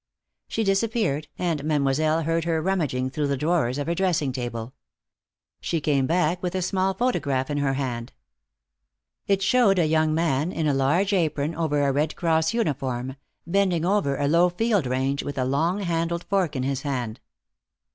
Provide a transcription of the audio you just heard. She disappeared, and Mademoiselle heard her rummaging through the drawers of her dressing table. She came back with a small photograph in her hand. It showed a young man, in a large apron over a Red Cross uniform, bending over a low field range with a long handled fork in his hand.